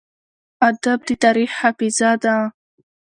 ادب د تاریخ حافظه ده.